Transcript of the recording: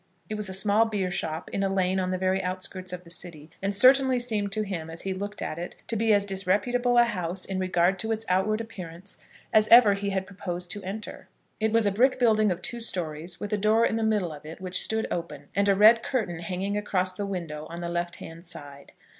It was a small beershop, in a lane on the very outskirts of the city, and certainly seemed to him, as he looked at it, to be as disreputable a house, in regard to its outward appearance, as ever he had proposed to enter. It was a brick building of two stories, with a door in the middle of it which stood open, and a red curtain hanging across the window on the left hand side.